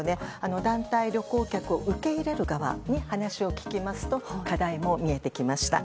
団体旅行客を受け入れる側に話を聞きますと課題も見えてきました。